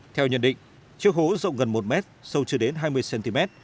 theo nhận định chiếc hố rộng gần một m sâu chưa đến hai mươi cm